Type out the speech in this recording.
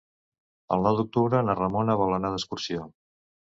El nou d'octubre na Ramona vol anar d'excursió.